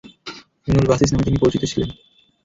ইবনুল বাসীস নামে তিনি সুপরিচিত ছিলেন।